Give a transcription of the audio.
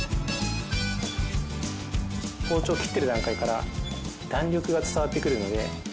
包丁切ってる段階から弾力が伝わってくるので。